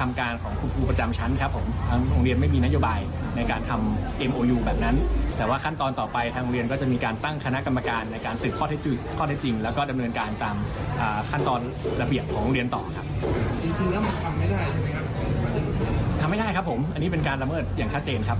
ทำไม่ได้ครับผมอันนี้เป็นการละเมิดอย่างชัดเจนครับ